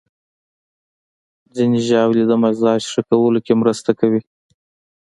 ځینې ژاولې د مزاج ښه کولو کې مرسته کوي.